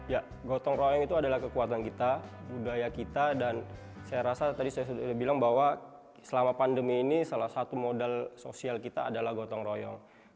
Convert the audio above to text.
ya gotong royong itu adalah kekuatan kita budaya kita dan saya rasa tadi saya sudah bilang bahwa selama pandemi ini salah satu modal sosial kita adalah gotong royong